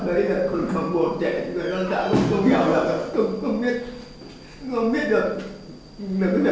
bắt loạt gia đình nhà